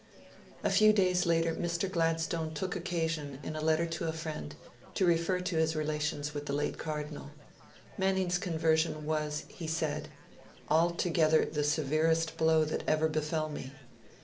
A few days later Mr. Gladstone took occasion, in a letter to a friend, to refer to his relations with the late Cardinal. Manning's conversion was, he said, 'altogether the severest blow that ever befell me.